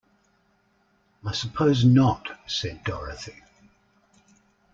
"I suppose not," said Dorothy.